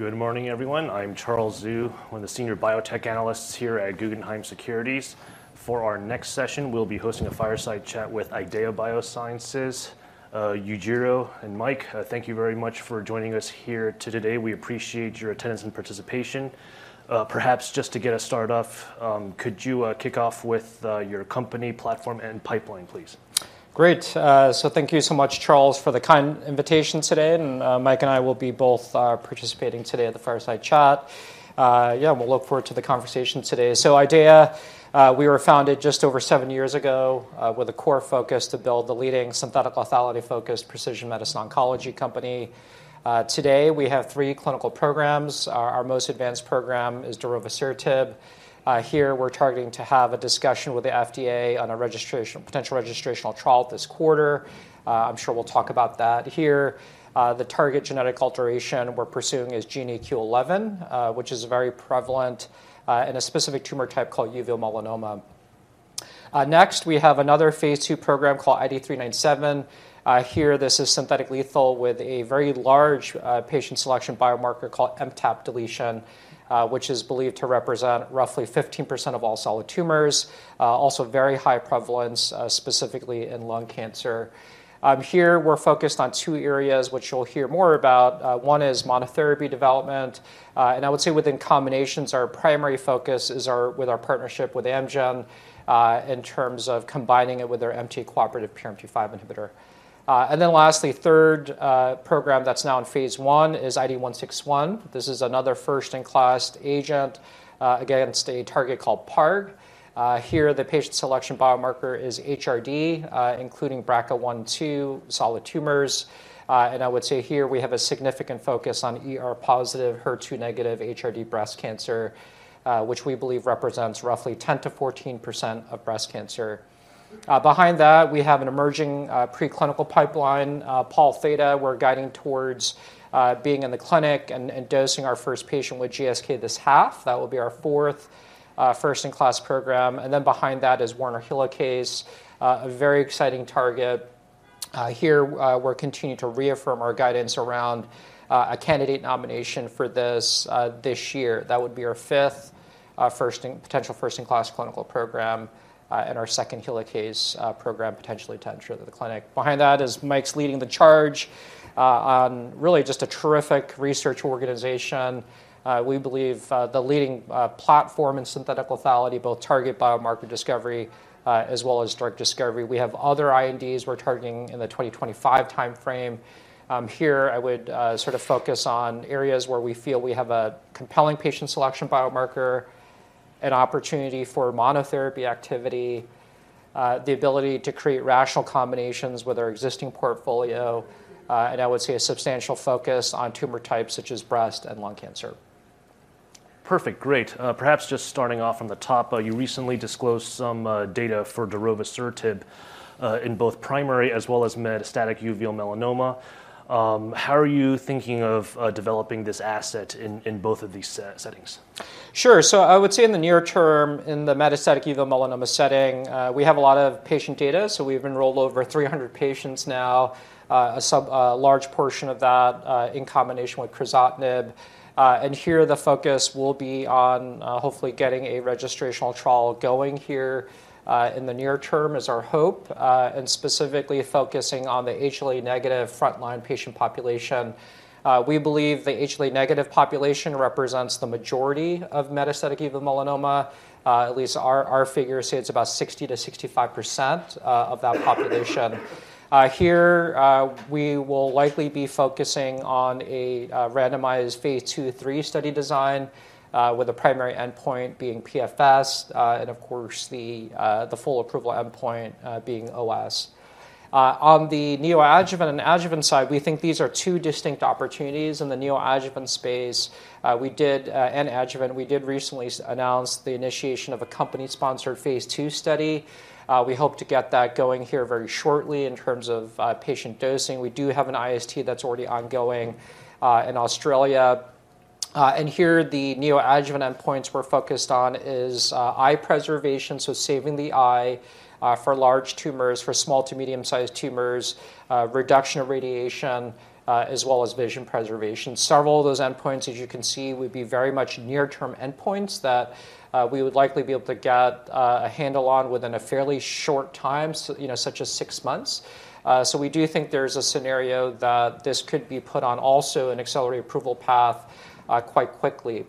Good morning, everyone. I'm Charles Zhu, one of the senior biotech analysts here at Guggenheim Securities. For our next session, we'll be hosting a fireside chat with IDEAYA Biosciences. Yujiro and Mike, thank you very much for joining us here today. We appreciate your attendance and participation. Perhaps just to get us started off, could you kick off with your company platform and pipeline, please? Great. Thank you so much, Charles, for the kind invitation today, and Mike and I will be both participating today at the fireside chat. Yeah, we'll look forward to the conversation today. IDEAYA, we were founded just over seven years ago, with a core focus to build the leading synthetic lethality-focused precision medicine oncology company. Today, we have three clinical programs. Our most advanced program is darovasertib. Here we're targeting to have a discussion with the FDA on a potential registrational trial this quarter. I'm sure we'll talk about that here. The target genetic alteration we're pursuing is GNA11, which is very prevalent in a specific tumor type called uveal melanoma. Next, we have another phase II program called IDE397. Here this is synthetic lethal with a very large, patient selection biomarker called MTAP deletion, which is believed to represent roughly 15% of all solid tumors. Also very high prevalence, specifically in lung cancer. Here, we're focused on two areas, which you'll hear more about. One is monotherapy development. I would say within combinations, our primary focus is with our partnership with Amgen, in terms of combining it with their MTA-cooperative PRMT5 inhibitor. Lastly, third, program that's now in phase I is IDE161. This is another first-in-class agent, against a target called PARP. Here the patient selection biomarker is HRD, including BRCA1/2 solid tumors. I would say here we have a significant focus on ER-positive, HER2-negative, HRD breast cancer, which we believe represents roughly 10%-14% of breast cancer. Behind that, we have an emerging preclinical pipeline. Pol Theta, we're guiding towards being in the clinic and dosing our first patient with GSK this half. That will be our fourth first-in-class program. Behind that is Werner helicase, a very exciting target. Here, we're continuing to reaffirm our guidance around a candidate nomination for this year. That would be our fifth potential first-in-class clinical program and our second helicase program potentially to enter the clinic. Behind that is Mike's leading the charge on really just a terrific research organization. We believe the leading platform in synthetic lethality, both target biomarker discovery, as well as drug discovery. We have other INDs we're targeting in the 2025 timeframe. Here I would sort of focus on areas where we feel we have a compelling patient selection biomarker, an opportunity for monotherapy activity, the ability to create rational combinations with our existing portfolio, and I would say a substantial focus on tumor types such as breast and lung cancer. Perfect. Great. Perhaps just starting off from the top, you recently disclosed some, data for darovasertib, in both primary as well as metastatic uveal melanoma. How are you thinking of, developing this asset in both of these settings? I would say in the near term, in the metastatic uveal melanoma setting, we have a lot of patient data, so we've enrolled over 300 patients now, a large portion of that, in combination with crizotinib. Here the focus will be on, hopefully getting a registrational trial going here, in the near term is our hope, and specifically focusing on the HLA-A negative frontline patient population. We believe the HLA-A negative population represents the majority of metastatic uveal melanoma. At least our figures say it's about 60%-65% of that population. Here, we will likely be focusing on a randomized phase II/III study design, with the primary endpoint being PFS, and of course, the full approval endpoint, being OS. On the neoadjuvant and adjuvant side, we think these are two distinct opportunities in the neoadjuvant space. Adjuvant, we recently announce the initiation of a company-sponsored phase II study. We hope to get that going here very shortly in terms of patient dosing. We do have an IST that's already ongoing in Australia. Here the neoadjuvant endpoints we're focused on is eye preservation, so saving the eye, for large tumors, for small to medium-sized tumors, reduction of radiation, as well as vision preservation. Several of those endpoints, as you can see, would be very much near-term endpoints that we would likely be able to get a handle on within a fairly short time, you know, such as six months. We do think there's a scenario that this could be put on also an accelerated approval path quite quickly.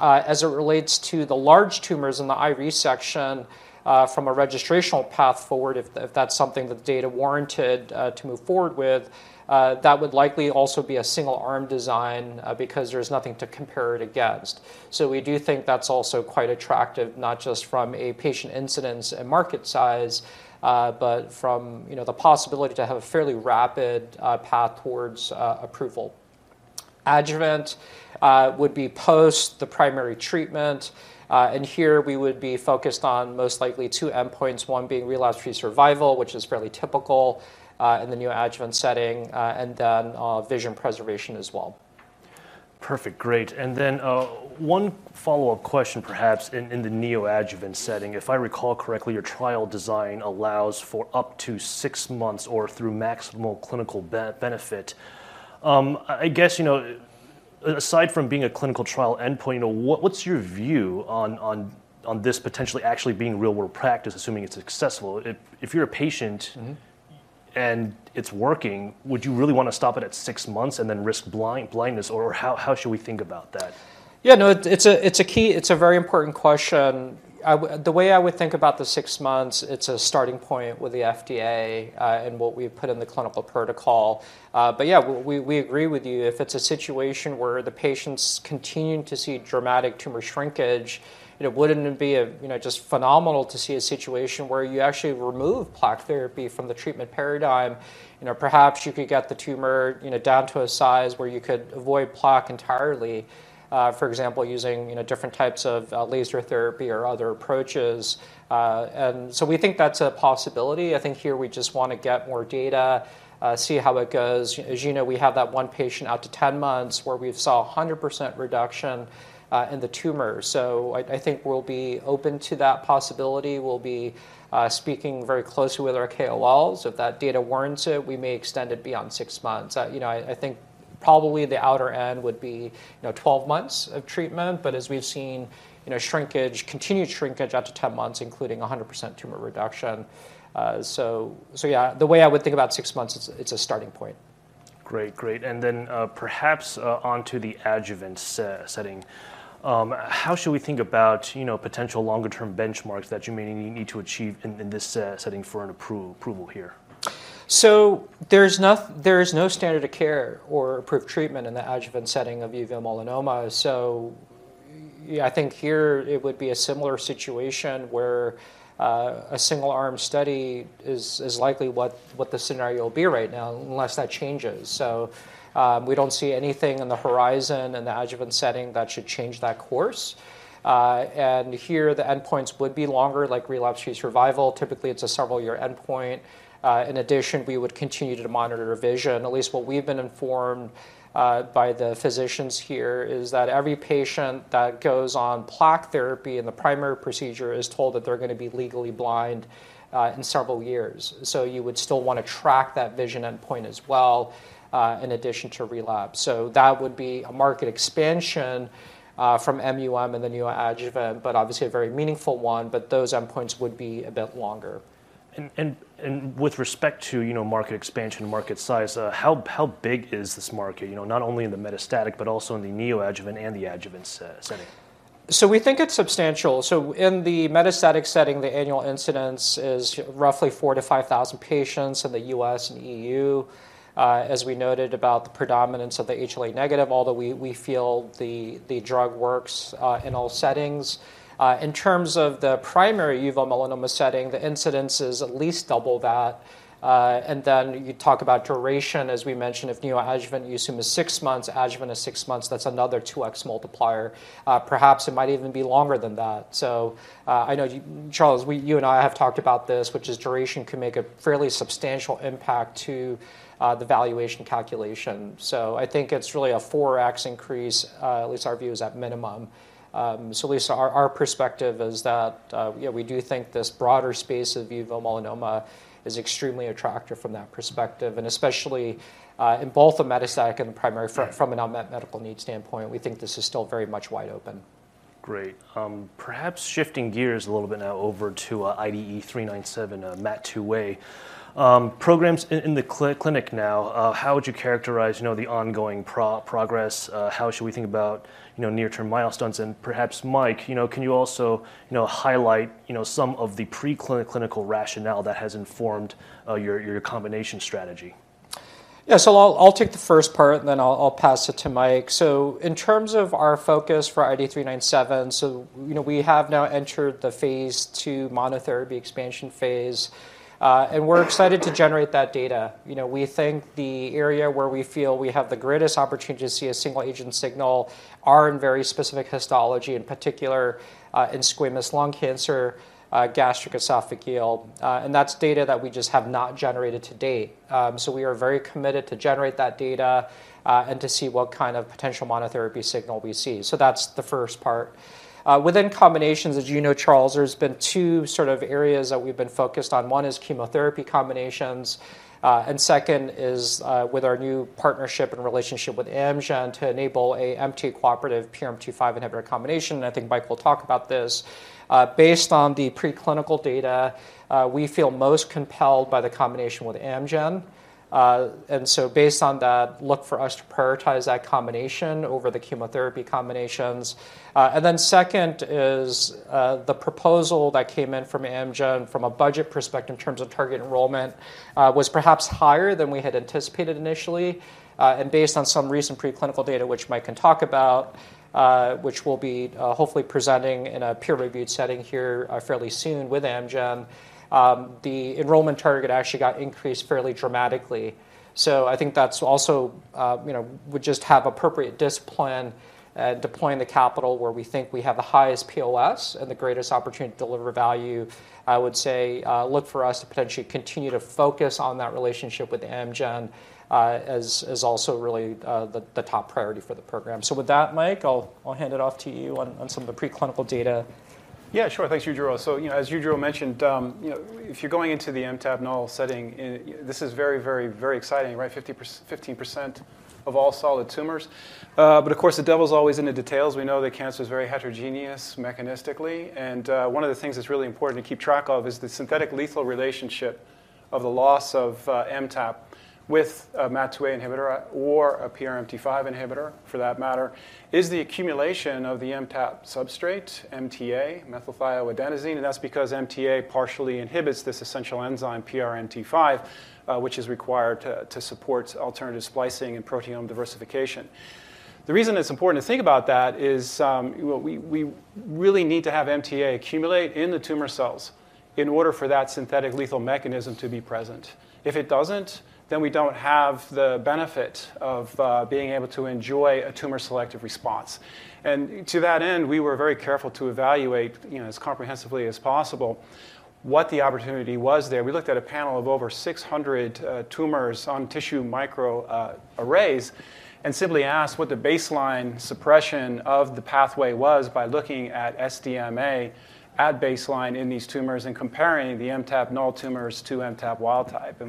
As it relates to the large tumors in the eye resection, from a registrational path forward, if that's something the data warranted to move forward with, that would likely also be a single arm design because there's nothing to compare it against. We do think that's also quite attractive, not just from a patient incidence and market size, but from, you know, the possibility to have a fairly rapid path towards approval. Adjuvant would be post the primary treatment, and here we would be focused on most likely two endpoints, one being relapse-free survival, which is fairly typical in the neoadjuvant setting, and then vision preservation as well. Perfect. Great. One follow-up question perhaps in the neoadjuvant setting. If I recall correctly, your trial design allows for up to six months or through maximal clinical benefit. I guess, you know, aside from being a clinical trial endpoint, you know, what's your view on this potentially actually being real-world practice, assuming it's successful? If you're a patient- Mm-hmm... and it's working, would you really wanna stop it at six months and then risk blindness, or how should we think about that? No, it's a very important question. The way I would think about the 6 months, it's a starting point with the FDA and what we put in the clinical protocol. Yeah, we agree with you. If it's a situation where the patient's continuing to see dramatic tumor shrinkage, you know, wouldn't it be, you know, just phenomenal to see a situation where you actually remove plaque brachytherapy from the treatment paradigm? You know, perhaps you could get the tumor, you know, down to a size where you could avoid plaque entirely, for example, using, you know, different types of laser therapy or other approaches. We think that's a possibility. I think here we just wanna get more data, see how it goes. As you know, we have that 1 patient out to 10 months where we saw a 100% reduction in the tumor. I think we'll be open to that possibility. We'll be speaking very closely with our KOLs. If that data warrants it, we may extend it beyond 6 months. You know, I think probably the outer end would be, you know, 12 months of treatment, but as we've seen, you know, shrinkage, continued shrinkage out to 10 months, including a 100% tumor reduction. Yeah, the way I would think about 6 months, it's a starting point. Great. Great. Perhaps, onto the adjuvant setting. How should we think about, you know, potential longer term benchmarks that you may need to achieve in this setting for an approval here? There is no standard of care or approved treatment in the adjuvant setting of uveal melanoma. Yeah, I think here it would be a similar situation where a single arm study is likely what the scenario will be right now, unless that changes. We don't see anything on the horizon in the adjuvant setting that should change that course. Here the endpoints would be longer, like relapse-free survival. Typically, it's a several-year endpoint. In addition, we would continue to monitor vision. At least what we've been informed by the physicians here is that every patient that goes on plaque brachytherapy in the primary procedure is told that they're gonna be legally blind in several years. You would still wanna track that vision endpoint as well in addition to relapse. That would be a market expansion from MUM and the neoadjuvant, but obviously a very meaningful one, but those endpoints would be a bit longer. With respect to, you know, market expansion, market size, how big is this market? You know, not only in the metastatic, but also in the neoadjuvant and the adjuvant setting. We think it's substantial. In the metastatic setting, the annual incidence is roughly 4,000-5,000 patients in the U.S. and EU. As we noted about the predominance of the HLA-A negative, although we feel the drug works, in all settings. Then you talk about duration, as we mentioned, if neoadjuvant you assume is 6 months, adjuvant is 6 months, that's another 2x multiplier. Perhaps it might even be longer than that. I know Charles, you and I have talked about this, which is duration can make a fairly substantial impact to, the valuation calculation. I think it's really a 4x increase, at least our view is at minimum. At least our perspective is that, yeah, we do think this broader space of uveal melanoma is extremely attractive from that perspective, and especially, in both the metastatic and the primary. From an unmet medical needs standpoint, we think this is still very much wide open. Great. Perhaps shifting gears a little bit now over to IDE397, MAT2A. Programs in the clinic now, how would you characterize, you know, the ongoing progress? How should we think about, you know, near-term milestones? Perhaps, Mike, you know, can you also, you know, highlight, you know, some of the preclinical rationale that has informed your combination strategy? I'll take the first part, and then I'll pass it to Mike. In terms of our focus for IDE397, you know, we have now entered the phase II monotherapy expansion phase, and we're excited to generate that data. You know, we think the area where we feel we have the greatest opportunity to see a single agent signal are in very specific histology, in particular, in squamous lung cancer, gastric esophageal, that's data that we just have not generated to date. We are very committed to generate that data, to see what kind of potential monotherapy signal we see. That's the first part. Within combinations, as you know, Charles, there's been two sort of areas that we've been focused on. One is chemotherapy combinations, and second is, with our new partnership and relationship with Amgen to enable a MTA-cooperative PRMT5 inhibitor combination. I think Mike will talk about this. Based on the preclinical data, we feel most compelled by the combination with Amgen. Based on that, look for us to prioritize that combination over the chemotherapy combinations. Second is, the proposal that came in from Amgen from a budget perspective in terms of target enrollment, was perhaps higher than we had anticipated initially. Based on some recent preclinical data, which Mike can talk about, which we'll be, hopefully presenting in a peer-reviewed setting here, fairly soon with Amgen, the enrollment target actually got increased fairly dramatically. I think that's also, you know, would just have appropriate discipline and deploying the capital where we think we have the highest POS and the greatest opportunity to deliver value. I would say, look for us to potentially continue to focus on that relationship with Amgen, as also really, the top priority for the program. With that, Mike, I'll hand it off to you on some of the preclinical data. Yeah, sure. Thanks, Yujiro. You know, as Yujiro mentioned, you know, if you're going into the MTAP null setting, this is very, very, very exciting, right? 15% of all solid tumors. Of course, the devil's always in the details. We know that cancer is very heterogeneous mechanistically. One of the things that's really important to keep track of is the synthetic lethal relationship of the loss of MTAP with a MAT2A inhibitor or a PRMT5 inhibitor, for that matter, is the accumulation of the MTAP substrate, MTA, methylthioadenosine. That's because MTA partially inhibits this essential enzyme, PRMT5, which is required to support alternative splicing and proteome diversification. The reason it's important to think about that is, well, we really need to have MTA accumulate in the tumor cells in order for that synthetic lethal mechanism to be present. If it doesn't, then we don't have the benefit of being able to enjoy a tumor-selective response. To that end, we were very careful to evaluate, you know, as comprehensively as possible what the opportunity was there. We looked at a panel of over 600 tumors on tissue micro arrays and simply asked what the baseline suppression of the pathway was by looking at SDMA at baseline in these tumors and comparing the MTAP null tumors to MTAP wild type.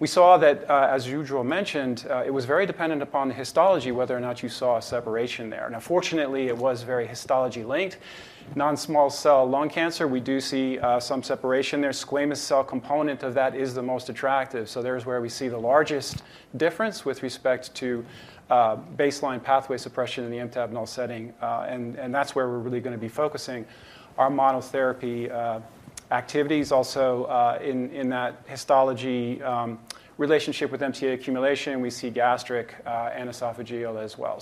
We saw that, as Yujiro mentioned, it was very dependent upon the histology whether or not you saw a separation there. Fortunately, it was very histology-linked. Non-small cell lung cancer, we do see some separation there. squamous cell component of that is the most attractive. There's where we see the largest difference with respect to baseline pathway suppression in the MTAP null setting. That's where we're really gonna be focusing our monotherapy activities also in that histology relationship with MTA accumulation. We see gastric and esophageal as well.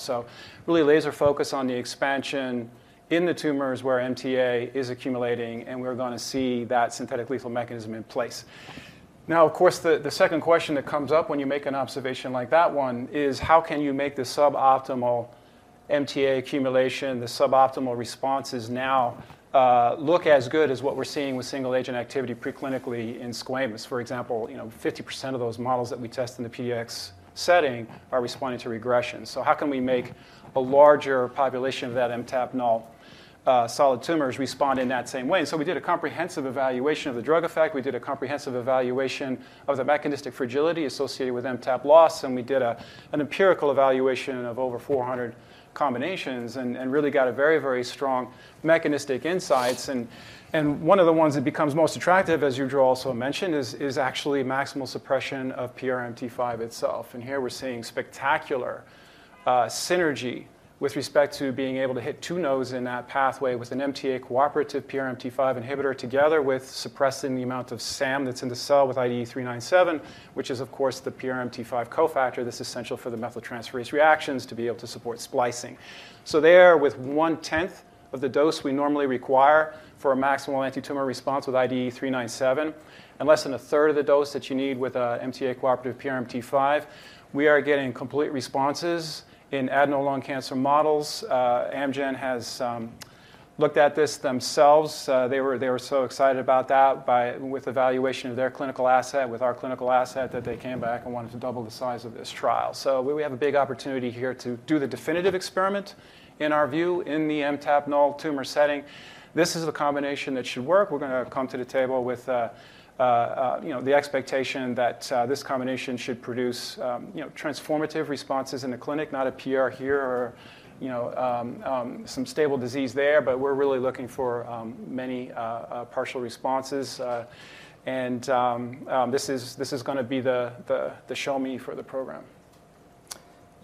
Really laser focus on the expansion in the tumors where MTA is accumulating, and we're gonna see that synthetic lethal mechanism in place. Of course, the second question that comes up when you make an observation like that one is, how can you make the suboptimal MTA accumulation, the suboptimal responses now, look as good as what we're seeing with single-agent activity preclinically in squamous? For example, you know, 50% of those models that we test in the PDX setting are responding to regression. How can we make a larger population of that MTAP null solid tumors respond in that same way? We did a comprehensive evaluation of the drug effect. We did a comprehensive evaluation of the mechanistic fragility associated with MTAP loss. We did an empirical evaluation of over 400 combinations and really got a very, very strong mechanistic insights. One of the ones that becomes most attractive, as Yujiro also mentioned, is actually maximal suppression of PRMT5 itself. Here we're seeing spectacular synergy with respect to being able to hit two nodes in that pathway with an MTA-cooperative PRMT5 inhibitor together with suppressing the amount of SAM that's in the cell with IDE397, which is, of course, the PRMT5 cofactor that's essential for the methyltransferase reactions to be able to support splicing. There, with 1/10 of the dose we normally require for a maximal antitumor response with IDE397, and less than 1/3 of the dose that you need with a MTA-cooperative PRMT5, we are getting complete responses in adenoid cystic carcinoma models. Amgen has looked at this themselves. They were so excited about that with evaluation of their clinical asset, with our clinical asset, that they came back and wanted to double the size of this trial. We have a big opportunity here to do the definitive experiment, in our view, in the MTAP null tumor setting. This is a combination that should work. We're gonna come to the table with, you know, the expectation that this combination should produce, you know, transformative responses in the clinic, not a PR here or, you know, some stable disease there. We're really looking for, many, partial responses. And this is gonna be the show me for the program.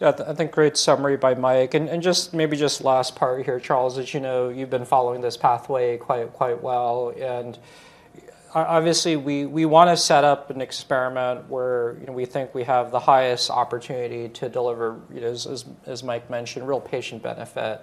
Yeah. I think great summary by Mike. Just maybe just last part here, Charles, as you know, you've been following this pathway quite well. Obviously, we wanna set up an experiment where, you know, we think we have the highest opportunity to deliver, you know, as Mike mentioned, real patient benefit.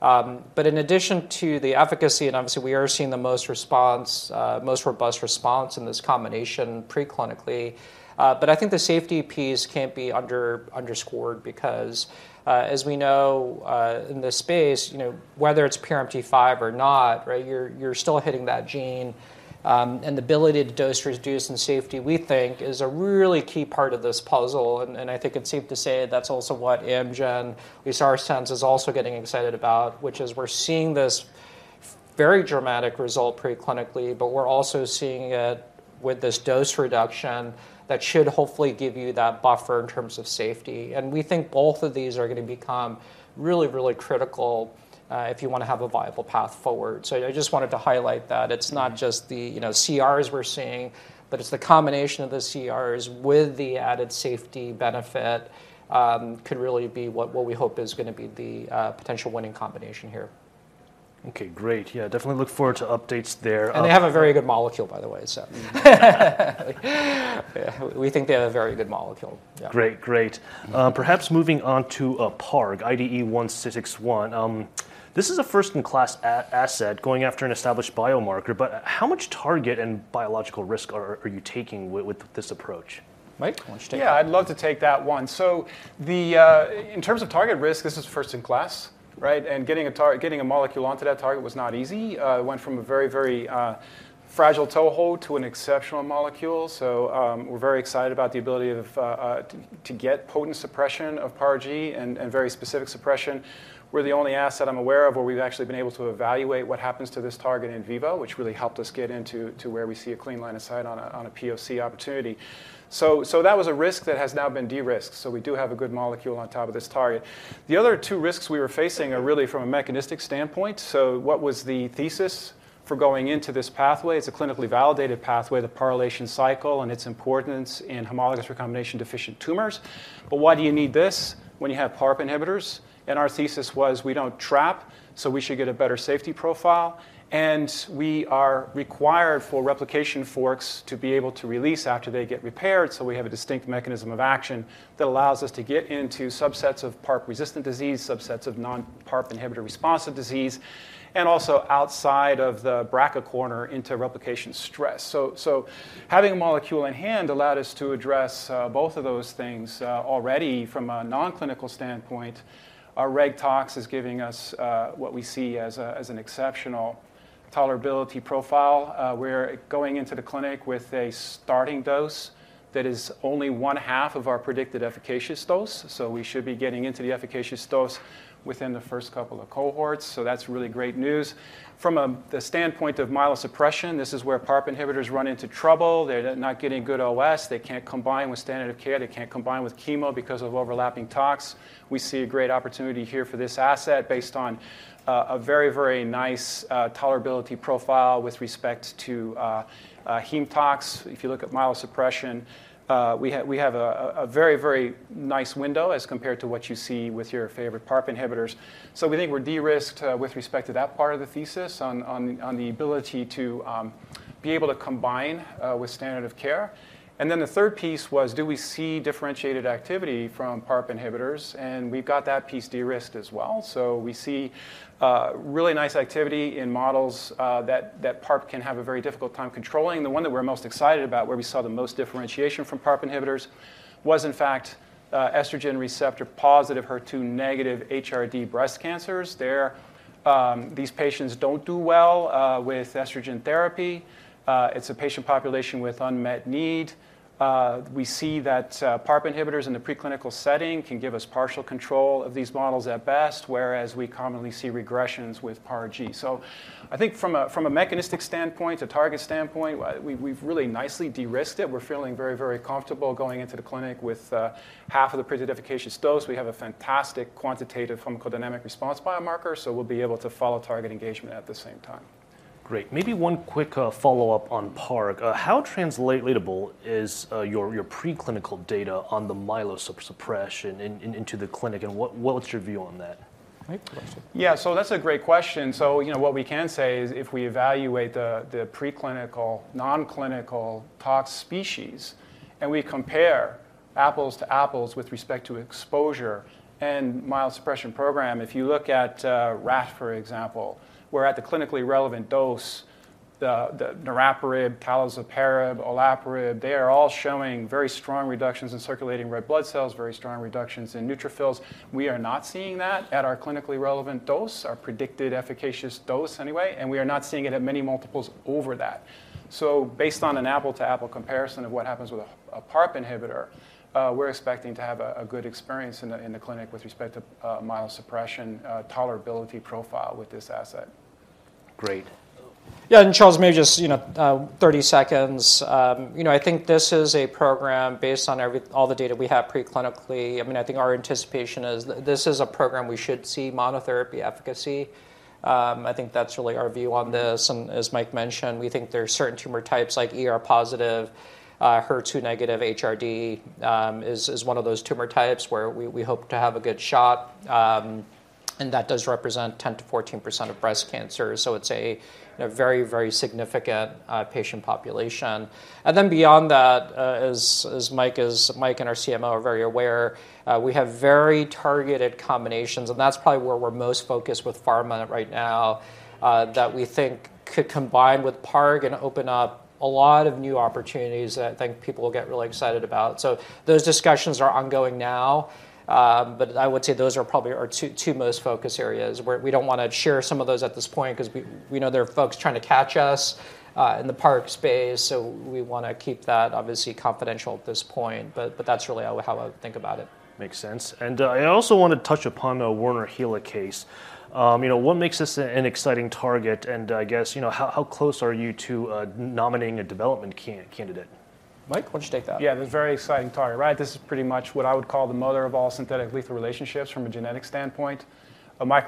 But in addition to the efficacy, obviously, we are seeing the most response, most robust response in this combination preclinically. But I think the safety piece can't be underscored because as we know, in this space, you know, whether it's PRMT5 or not, right, you're still hitting that gene. And the ability to dose reduce in safety, we think, is a really key part of this puzzle. I think it's safe to say that's also what Amgen, we saw Arsence is also getting excited about, which is we're seeing this very dramatic result preclinically, but we're also seeing it with this dose reduction that should hopefully give you that buffer in terms of safety. We think both of these are gonna become really, really critical, if you wanna have a viable path forward. I just wanted to highlight that. It's not just the, you know, CRs we're seeing, but it's the combination of the CRs with the added safety benefit, could really be what we hope is gonna be the potential winning combination here. Okay, great. Yeah, definitely look forward to updates there. They have a very good molecule, by the way. We think they have a very good molecule. Yeah. Great. Great. Yeah. Perhaps moving on to PARG, IDE161. This is a first in class asset going after an established biomarker. How much target and biological risk are you taking with this approach? Mike, you wanna just take that? Yeah, I'd love to take that one. In terms of target risk, this is first in class, right? Getting a molecule onto that target was not easy. It went from a very fragile toehold to an exceptional molecule. We're very excited about the ability of to get potent suppression of PARG and very specific suppression. We're the only asset I'm aware of where we've actually been able to evaluate what happens to this target in vivo, which really helped us get into where we see a clean line of sight on a POC opportunity. That was a risk that has now been de-risked, so we do have a good molecule on top of this target. The other two risks we were facing are really from a mechanistic standpoint. What was the thesis for going into this pathway? It's a clinically validated pathway, the PARylation cycle, and its importance in homologous recombination deficient tumors. Why do you need this when you have PARP inhibitors? Our thesis was, we don't trap, so we should get a better safety profile, and we are required for replication forks to be able to release after they get repaired. We have a distinct mechanism of action that allows us to get into subsets of PARP-resistant disease, subsets of non-PARP inhibitor responsive disease, and also outside of the BRCA corner into replication stress. Having a molecule in hand allowed us to address both of those things already from a non-clinical standpoint. Our reg tox is giving us what we see as an exceptional tolerability profile. We're going into the clinic with a starting dose that is only one half of our predicted efficacious dose. We should be getting into the efficacious dose within the first couple of cohorts. That's really great news. From the standpoint of myelosuppression, this is where PARP inhibitors run into trouble. They're not getting good OS, they can't combine with standard of care, they can't combine with chemo because of overlapping tox. We see a great opportunity here for this asset based on a very, very nice tolerability profile with respect to heme tox. If you look at myelosuppression, we have a very, very nice window as compared to what you see with your favorite PARP inhibitors. We think we're de-risked with respect to that part of the thesis on the ability to be able to combine with standard of care. Then the third piece was, do we see differentiated activity from PARP inhibitors? We've got that piece de-risked as well. We see really nice activity in models that PARP can have a very difficult time controlling. The one that we're most excited about, where we saw the most differentiation from PARP inhibitors was in fact, Estrogen receptor-positive, HER2-negative HRD breast cancers. There, these patients don't do well with estrogen therapy. It's a patient population with unmet need. We see that PARP inhibitors in the preclinical setting can give us partial control of these models at best, whereas we commonly see regressions with PARG. I think from a, from a mechanistic standpoint, a target standpoint, we've really nicely de-risked it. We're feeling very, very comfortable going into the clinic with half of the predicted efficacious dose. We have a fantastic quantitative pharmacodynamic response biomarker, so we'll be able to follow target engagement at the same time. Great. Maybe one quick follow-up on PARP. How translatable is your preclinical data on the myelosuppression into the clinic, and what's your view on that? Mike, you wanna take that? Yeah. That's a great question. You know, what we can say is if we evaluate the preclinical, non-clinical tox species, and we compare apples to apples with respect to exposure and myelosuppression program, if you look at rat, for example, where at the clinically relevant dose, the niraparib, talazoparib, olaparib, they are all showing very strong reductions in circulating red blood cells, very strong reductions in neutrophils. We are not seeing that at our clinically relevant dose, our predicted efficacious dose anyway, and we are not seeing it at many multiples over that. Based on an apple to apple comparison of what happens with a PARP inhibitor, we're expecting to have a good experience in the clinic with respect to myelosuppression tolerability profile with this asset. Great. Charles, maybe just, you know, 30 seconds. You know, I think this is a program based on all the data we have preclinically. I mean, I think our anticipation is this is a program we should see monotherapy efficacy. I think that's really our view on this, and as Mike mentioned, we think there's certain tumor types like ER positive, HER2 negative HRD, is one of those tumor types where we hope to have a good shot. That does represent 10%-14% of breast cancer, so it's a very, very significant patient population. Beyond that, as Mike and our CMO are very aware, we have very targeted combinations, and that's probably where we're most focused with pharma right now, that we think could combine with PARP and open up a lot of new opportunities that I think people will get really excited about. Those discussions are ongoing now, but I would say those are probably our two most focused areas, where we don't wanna share some of those at this point, because we know there are folks trying to catch us in the PARP space, so we wanna keep that obviously confidential at this point. That's really how I, how I think about it. Makes sense. I also wanna touch upon the Werner helicase. You know, what makes this an exciting target? I guess, you know, how close are you to nominating a development candidate? Mike, why don't you take that? Yeah, it was a very exciting target, right? This is pretty much what I would call the mother of all synthetic lethal relationships from a genetic standpoint. A microsatellite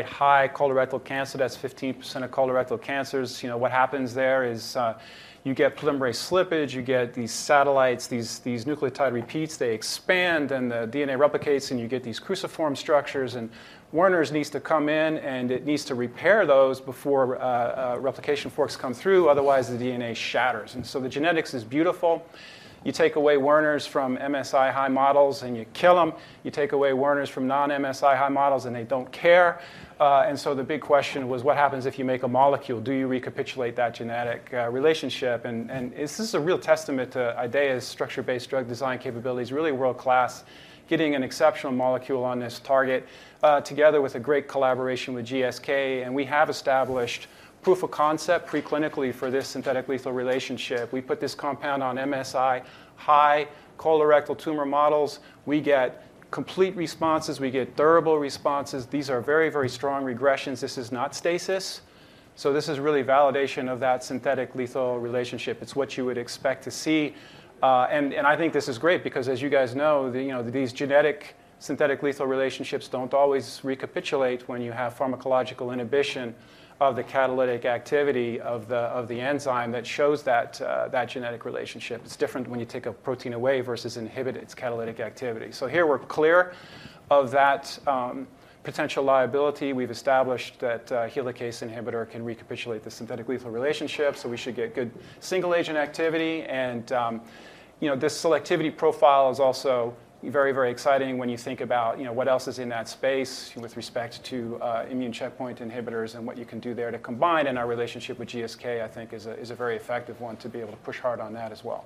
instability-high colorectal cancer, that's 15% of colorectal cancers. You know, what happens there is, you get polymerase slippage, you get these satellites, these nucleotide repeats, they expand, and the DNA replicates, and you get these cruciform structures, and Werner's needs to come in, and it needs to repair those before replication forks come through. Otherwise, the DNA shatters. The genetics is beautiful. You take away Werner's from MSI-high models, and you kill them. You take away Werner's from non-MSI-high models, and they don't care. The big question was, what happens if you make a molecule? Do you recapitulate that genetic relationship? This is a real testament to IDEAYA's structure-based drug design capabilities, really world-class, getting an exceptional molecule on this target, together with a great collaboration with GSK. We have established proof of concept preclinically for this synthetic lethal relationship. We put this compound on MSI-high colorectal tumor models. We get complete responses, we get durable responses. These are very, very strong regressions. This is not stasis. This is really validation of that synthetic lethal relationship. It's what you would expect to see. I think this is great because as you guys know, you know, these genetic synthetic lethal relationships don't always recapitulate when you have pharmacological inhibition of the catalytic activity of the enzyme that shows that genetic relationship. It's different when you take a protein away versus inhibit its catalytic activity. Here we're clear of that potential liability. We've established that a helicase inhibitor can recapitulate the synthetic lethal relationship, so we should get good single agent activity. You know, this selectivity profile is also very, very exciting when you think about, you know, what else is in that space with respect to immune checkpoint inhibitors and what you can do there to combine. Our relationship with GSK, I think is a very effective one to be able to push hard on that as well.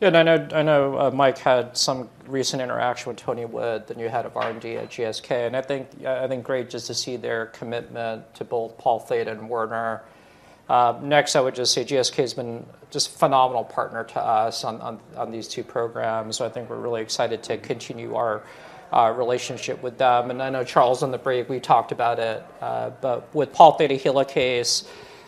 Yeah. I know Mike had some recent interaction with Tony Wood, the new head of R&D at GSK. I think great just to see their commitment to both Pol theta and Werner. Next, I would just say GSK has been just a phenomenal partner to us on these two programs. I think we're really excited to continue our relationship with them. I know Charles, on the break, we talked about it, but with Pol Theta helicase,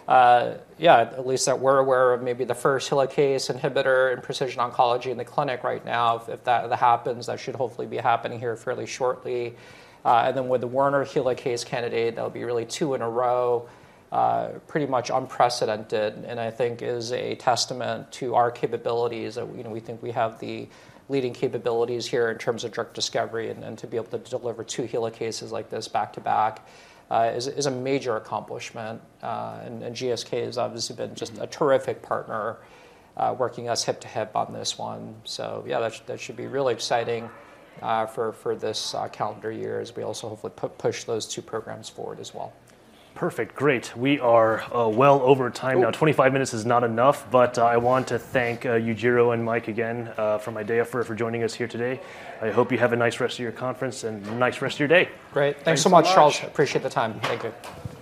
yeah, at least that we're aware of maybe the first helicase inhibitor in precision oncology in the clinic right now. If that happens, that should hopefully be happening here fairly shortly. Then with the Werner helicase candidate, that'll be really two in a row, pretty much unprecedented and I think is a testament to our capabilities that, you know, we think we have the leading capabilities here in terms of drug discovery and to be able to deliver two helicases like this back to back is a major accomplishment. GSK has obviously been just a terrific partner, working us hip to hip on this one. Yeah, that should be really exciting for this calendar year as we also hopefully push those two programs forward as well. Perfect. Great. We are well over time now. 25 minutes is not enough, but I want to thank Yujiro and Mike again from IDEAYA for joining us here today. I hope you have a nice rest of your conference and a nice rest of your day. Great. Thanks so much, Charles. Thank you, Charles. Appreciate the time. Thank you.